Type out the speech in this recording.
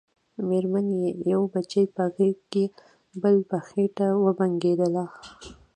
مېرمن يې يو بچی په غېږ کې بل په خېټه وبنګېدله.